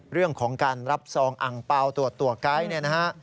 เรื่องของการรับซองอังเปล่าตรวจตัวไกด์เนี่ยนะฮะ